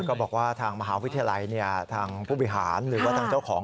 ก็บอกว่าทางมหาวิทยาลัยทางผู้บริหารหรือว่าทางเจ้าของ